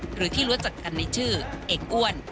หรือที่รู้จักกันในชื่อเอกอ้วน